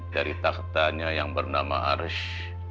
dari takhtanya yang bernama arsh